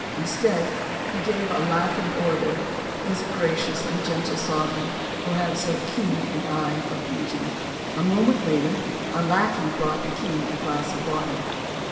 Instead, he gave a laughing order this gracious and gentle sovereign who had so keen an eye for beauty. A moment later a lackey brought the king a glass of water.